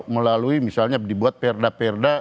melalui misalnya dibuat perda perda